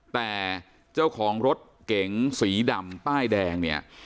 แต่เจ้าของรถเก๋งสีดำป้ายแดงเนี่ย